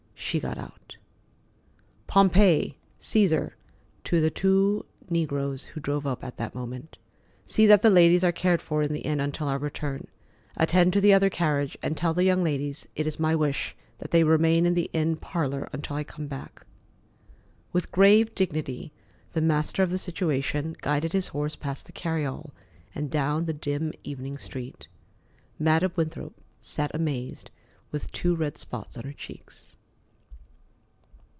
She got out. "Pompey, Caesar"—to the two negroes who drove up at that moment—"see that the ladies are cared for in the inn until our return. Attend to the other carriage, and tell the young ladies it is my wish that they remain in the inn parlor until I come back." With grave dignity, the master of the situation guided his horse past the carryall and down the dim evening street. Madam Winthrop sat amazed, with two red spots on her cheeks.